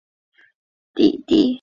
它位于盛港车厂附近地底。